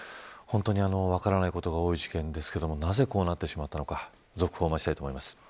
本当に分からないことが多い事件ですけどもなぜ、こうなってしまったのか続報を待ちたいと思います。